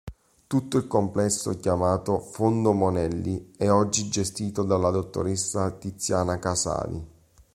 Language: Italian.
Tutto il complesso chiamato "Fondo Monelli" è oggi gestito dalla dottoressa Tiziana Casali.